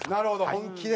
本気で。